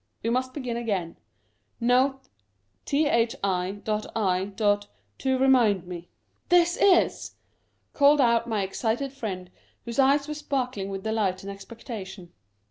We must begin again i — Note thi.i, to remind me" " This is" called out my excited friend, whose eyes were sparkling with delight and expectation.